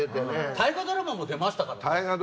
大河ドラマも出ましたからね。